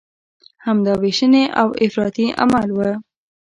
همدا ویشنې او افراطي عمل و.